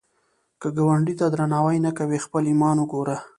که ګاونډي ته درناوی نه کوې، خپل ایمان وګوره